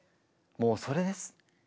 もうそれです。